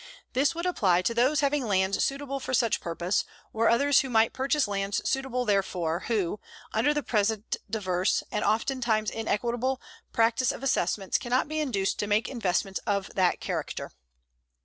This would apply to those having lands suitable for such purpose, or others who might purchase lands suitable therefor, who, under the present diverse, and oftentimes inequitable, practice of assessments, cannot be induced to make investments of that character.